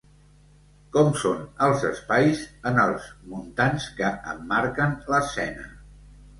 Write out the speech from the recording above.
Com són els espais en els muntants que emmarquen l'escena?